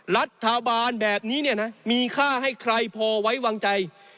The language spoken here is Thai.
รัฐบาลแบบนี้มีค่าให้ใครพอไว้วางใจ